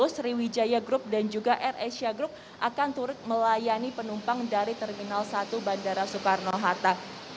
sriwijaya group dan juga air asia group akan turut melayani penumpang dari terminal satu bandara soekarno hatta